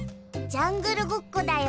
ジャングルごっこだよ。